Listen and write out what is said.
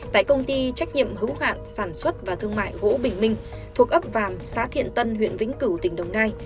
tại công ty trách nhiệm hữu hạn sản xuất và thương mại gỗ bình minh thuộc ấp vàm xã thiện tân huyện vĩnh cửu tỉnh đồng nai